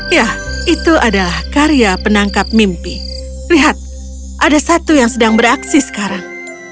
ya itu adalah karya penangkap mimpi lihat ada satu yang sedang beraksi sekarang